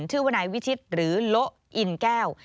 ชื่อว่านายวิชิตหรือโละอินแก้ว